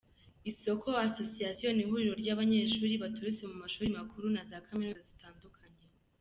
Isooko Association ni ihuriro ry’abanyeshuri baturutse mu mashuri makuru na za kaminuza zitandukanye.